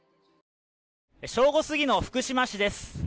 正午過ぎの福島市です。